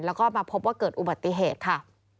แล้วก็มาพบว่าเกิดอุบัติเหตุค่ะ